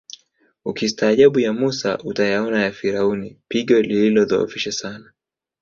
Ukistaajabu ya Mussa utayaona ya Firauni pigo lilidhoofisha sana